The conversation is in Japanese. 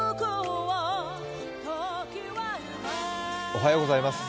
おはようございます。